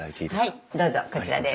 はいどうぞこちらです。